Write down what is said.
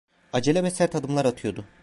Acele ve sert adımlar atıyordu.